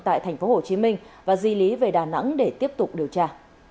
tại thành phố hồ chí minh và di lý về đà nẵng để tiếp tục điều tra